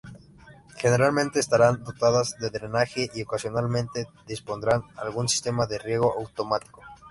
Generalmente estarán dotadas de drenaje y ocasionalmente dispondrán algún sistema de riego automático.